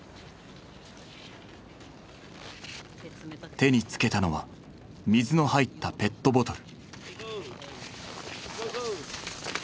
手につけたのは水の入ったペットボトル。